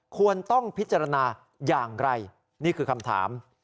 ควรต้องพิจารณาอย่างไรนี่คือคำถาม